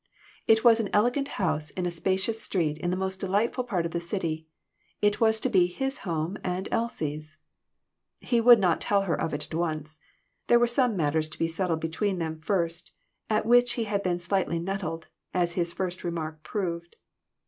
It was an elegant house on a spacious street in the most delightful part of the city, and was to be his home and Elsie's. He would not tell her of it at once. There were some matters to be settled between them first at which he had been slightly nettled, as his first remark proved.